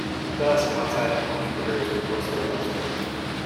Thus, outside entrepreneurs were forced to look elsewhere.